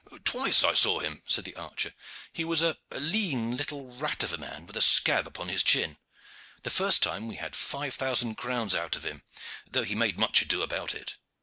"Twice I saw him," said the archer. "He was a lean little rat of a man, with a scab on his chin. The first time we had five thousand crowns out of him, though he made much ado about it.